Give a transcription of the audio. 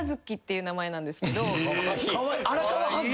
荒川葉月！？